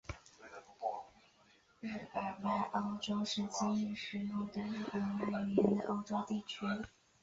日耳曼欧洲是今日使用着日耳曼语言的欧洲地区。